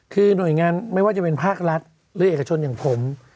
คือหน่วยงานไม่ว่าจะเป็นภาครัฐหรือเอกชนอย่างผม